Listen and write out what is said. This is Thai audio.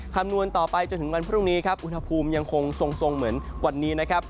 คำนวณต่อไปจนถึงวันพรุ่งนี้ครับอุณหภูมิยังคงทรงเหมือนวันนี้นะครับ